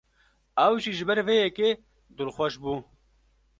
Ew jî ji ber vê yekê dilxweş bû.